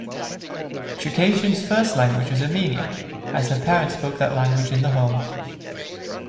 Chookasian's first language was Armenian, as her parents spoke that language in the home.